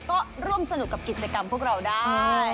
ก็ร่วมสนุกกับกิจกรรมพวกเราได้